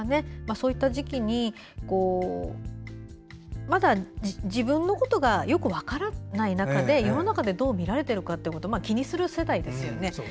そういった時期にまだ、自分のことがよく分からない中で世の中でどう見られているか気にする世代ですよね。